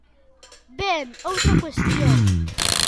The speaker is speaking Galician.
Ben, outra cuestión.